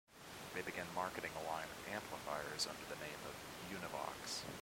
They began marketing a line of amplifiers under the name of "Univox".